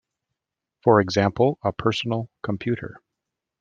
For example, a personal computer.